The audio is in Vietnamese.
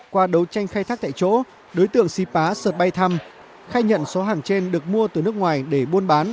qua đấu tranh khai thác tại chỗ đối tượng sipa sợt bay thăm khai nhận số hàng trên được mua từ nước ngoài để buôn bán